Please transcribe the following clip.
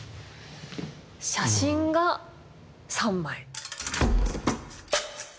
写真が３枚。